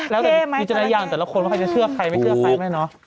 แล้วจะได้อย่างแต่ละคนว่าใครจะเชื่อใครไม่เชื่อใครไหมเนอะ